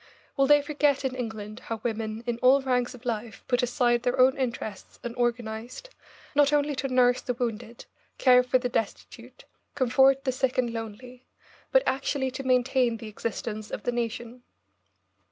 Will they forget in England how women in all ranks of life put aside their own interests and organised, not only to nurse the wounded, care for the destitute, comfort the sick and lonely, but actually to maintain the existence of the nation?